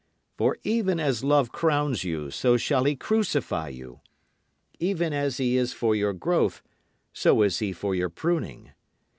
For even as love crowns you so shall he crucify you. Even as he is for your growth so is he for your pruning.